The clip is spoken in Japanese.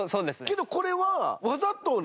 けどこれは。